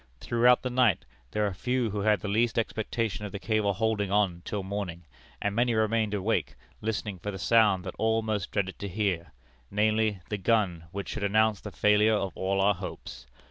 Throughout the night, there were few who had the least expectation of the cable holding on till morning, and many remained awake listening for the sound that all most dreaded to hear namely, the gun which should announce the failure of all our hopes.